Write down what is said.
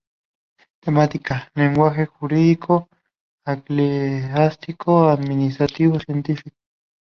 Temática: lenguaje jurídico, eclesiástico, administrativo, científico...